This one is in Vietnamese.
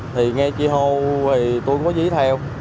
thì nghe chi hô thì tôi cũng có dí theo